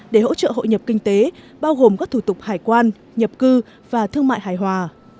để hỗ trợ hội nhập kinh tế bao gồm các thủ tục hải quan nhập cư và thương mại hài hòa